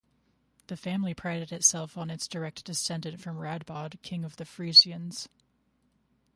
The family prided itself on its direct descent from Radbod, King of the Frisians.